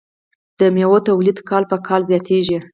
د میوو تولیدات کال په کال زیاتیږي.